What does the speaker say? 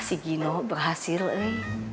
si gino berhasil nih